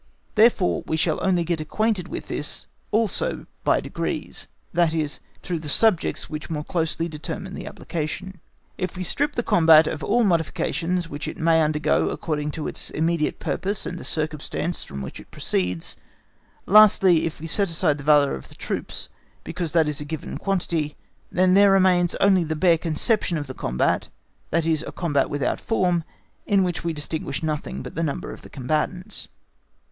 Therefore we shall only get acquainted with this also by degrees, that is, through the subjects which more closely determine the application. If we strip the combat of all modifications which it may undergo according to its immediate purpose and the circumstances from which it proceeds, lastly if we set aside the valour of the troops, because that is a given quantity, then there remains only the bare conception of the combat, that is a combat without form, in which we distinguish nothing but the number of the combatants.